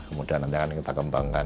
kemudian nanti akan kita kembangkan